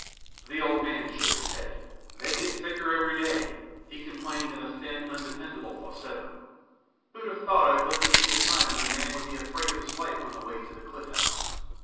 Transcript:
The old man shook his head. "They get thicker every day," he complained in a thin, undependable falsetto. "Who'd have thought I'd live to see the time when a man would be afraid of his life on the way to the Cliff House.